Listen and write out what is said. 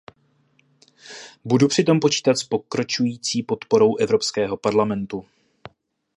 Budu při tom počítat s pokračující podporou Evropského parlamentu.